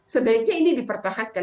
sebaiknya ini dipertahankan